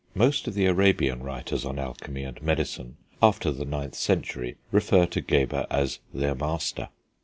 Most of the Arabian writers on alchemy and medicine, after the 9th century, refer to Geber as their master.